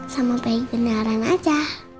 sama bayi beneran aja